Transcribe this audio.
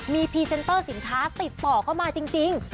มีพรีเซนเตอร์สินค้าติดต่อเข้ามาจริง